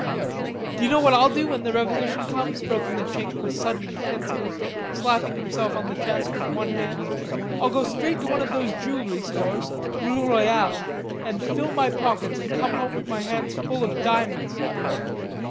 "D'you know what I'll do when the revolution comes?" broke in the Chink with sudden intensity, slapping himself on the chest with one hand. "I'll go straight to one of those jewelry stores, rue Royale, and fill my pockets and come home with my hands full of diamonds."